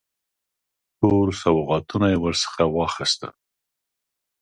ټول سوغاتونه یې ورڅخه واخیستل.